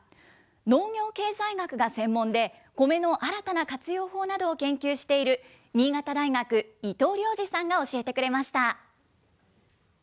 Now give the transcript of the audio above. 農業経済学が専門で、コメの新たな活用法などを研究している新潟大学、伊藤亮司さんが教えてくれました。